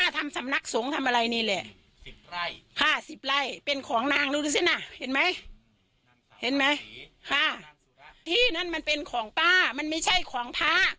ที่นั่นมันเป็นของป้ามันไม่ใช่ของพระ